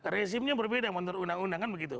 resimnya berbeda menurut undang undangan begitu